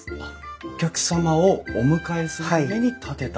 お客様をお迎えするために建てた。